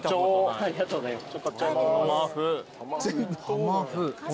ありがとうございます。